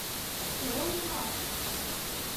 Кӧ улмаш?